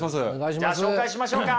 じゃあ紹介しましょうか。